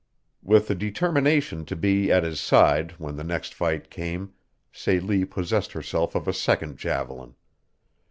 With the determination to be at his side when the next fight came Celie possessed herself of a second javelin.